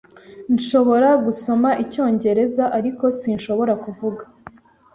Nshobora gusoma Icyongereza, ariko sinshobora kuvuga.